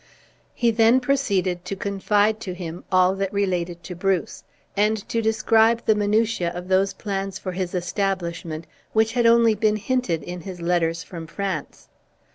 He then proceeded to confide to him all that related to Bruce; and to describe the minutiae of those plans for his establishment, which had only been hinted in his letters from France.